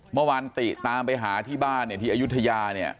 เมื่อวานติตามไปหาที่บ้านที่อยุธยา